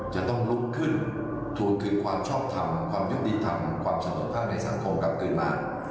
จะต้องลุกขึ้นทวงคืนความชอบทำความยุติธรรมความเสมอภาคในสังคมกลับคืนมา